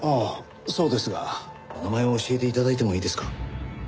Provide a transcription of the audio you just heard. お名前を教えて頂いてもいいですか？